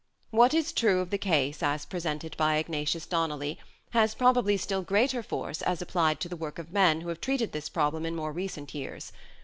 What is true of the case as presented by Ignatius stratfordian Donnelly has probably still greater force as applied to the work of men who have treated this problem in more recent years.